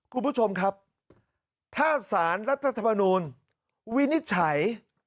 คุณผู้ชมครับถ้าสารรัฐธรรมนูลวินิจฉัย